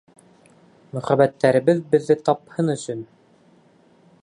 Мөхәббәттәребеҙ беҙҙе тапһын өсөн!